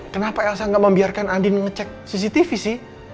kenapa elsa nggak membiarkan andin ngecek cctv sih